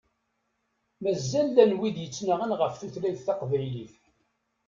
Mazal llan wid yettnaɣen ɣef tutlayt taqbaylit.